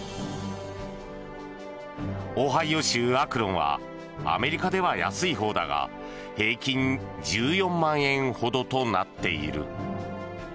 オハイオ州アクロンはアメリカでは安いほうだが平均１４万円ほどとなっている。